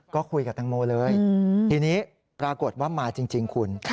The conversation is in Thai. ก็คุยกับตังโมเลยทีนี้ปรากฏว่ามาจริงคุณ